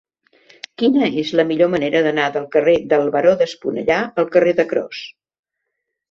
Quina és la millor manera d'anar del carrer del Baró d'Esponellà al carrer de Cros?